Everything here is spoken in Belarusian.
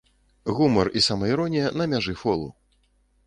Гумар і самаіронія на мяжы фолу.